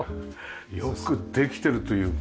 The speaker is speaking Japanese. よくできてるというか。